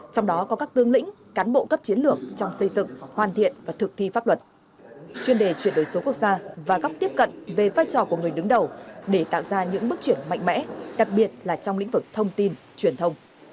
trong đó có các tướng lĩnh cán bộ cấp chiến lược trong xây dựng hoàn thiện và thực thi pháp luật chuyên đề chuyển đổi số quốc gia và góc tiếp cận về vai trò của người đứng đầu để tạo ra những bước chuyển mạnh mẽ đặc biệt là trong lĩnh vực thông tin truyền thông